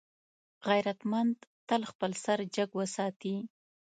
غیرتمند تل خپل سر جګ وساتي